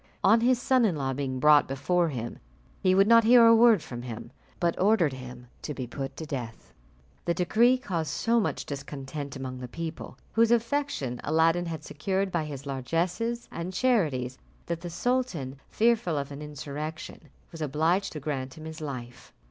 On his son in law being brought before him, he would not hear a word from him, but ordered him to be put to death. The decree caused so much discontent among the people, whose affection Aladdin had secured by his largesses and charities, that the sultan, fearful of an insurrection, was obliged to grant him his life.